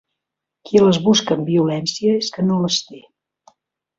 Qui les busca amb violència és que no les té.